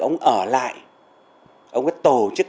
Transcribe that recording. ông ở lại ông có tổ chức